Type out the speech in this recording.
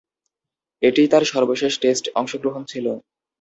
এটিই তার সর্বশেষ টেস্ট অংশগ্রহণ ছিল।